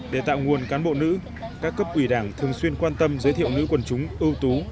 để tạo nguồn cán bộ nữ các cấp ủy đảng thường xuyên quan tâm giới thiệu nữ quần chúng ưu tú